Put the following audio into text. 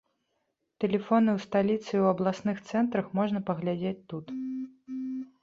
Тэлефоны ў сталіцы і ў абласных цэнтрах можна паглядзець тут.